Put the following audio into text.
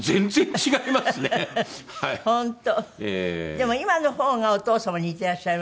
でも今の方がお父様に似てらっしゃいますよね。